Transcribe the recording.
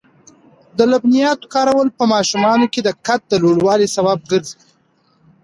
د لبنیاتو کارول په ماشومانو کې د قد د لوړوالي سبب ګرځي.